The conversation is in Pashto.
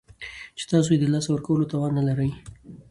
چې تاسو یې د لاسه ورکولو توان نلرئ